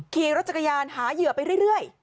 ขี่รถจักรยานหาเหยื่อไปเรื่อย